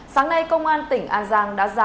sáng nay công an tỉnh an giang đã ra